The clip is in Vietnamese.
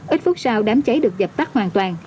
ít phút sau đám cháy được dập tắt hoàn toàn